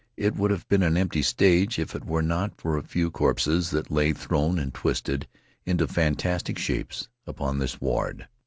It would have been an empty stage if it were not for a few corpses that lay thrown and twisted into fantastic shapes upon the sward.